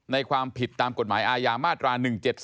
ความผิดตามกฎหมายอาญามาตรา๑๗๒